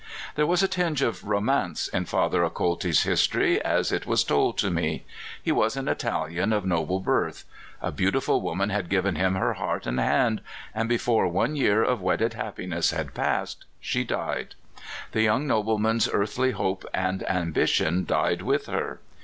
There was a tinge of romance in Father Acolti's history, as it was told to me. He was an Italian of noble birth. A beautiful woman had given him her heart and hand, and before one year of wed ded happiness had passed she died. The young nobleman's earthly hope and ambition died with her.